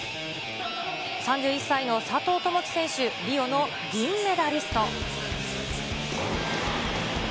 ３１歳の佐藤友祈選手、リオの銀メダリスト。